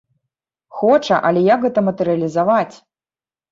Хоча, але як гэта матэрыялізаваць?